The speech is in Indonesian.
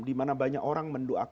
dimana banyak orang mendoakan